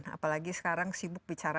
apalagi sekarang sibuk bicara